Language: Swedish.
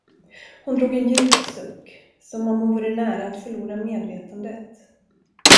Hon drog en djup suck, som om hon vore nära att förlora medvetandet.